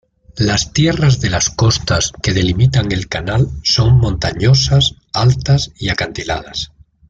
Las tierras de las costas que delimitan el canal son montañosas, altas y acantiladas.